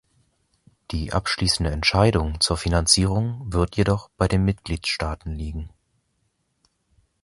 Die abschließende Entscheidung zur Finanzierung wird jedoch bei den Mitgliedstaaten liegen.